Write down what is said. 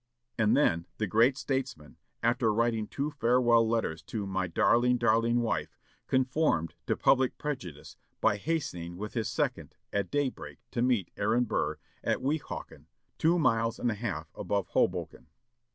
And then, the great statesman, after writing two farewell letters to "my darling, darling wife," conformed to "public prejudice" by hastening with his second, at daybreak, to meet Aaron Burr, at Weehawken, two miles and a half above Hoboken.